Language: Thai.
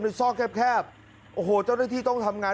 ซอกแคบแคบโอ้โหเจ้าหน้าที่ต้องทำงาน